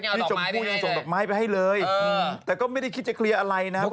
ชมพู่ยังส่งดอกไม้ไปให้เลยแต่ก็ไม่ได้คิดจะเคลียร์อะไรนะครับ